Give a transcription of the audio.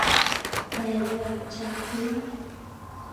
ایا زه چاغ یم؟